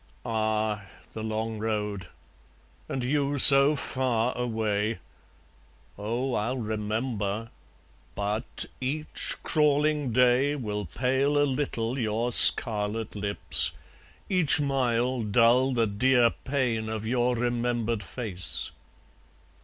Ah! the long road! and you so far away! Oh, I'll remember! but ... each crawling day Will pale a little your scarlet lips, each mile Dull the dear pain of your remembered face.